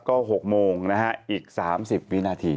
ก็๖โมงนะฮะอีก๓๐วินาที